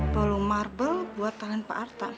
bolu marble buat tahan pak arta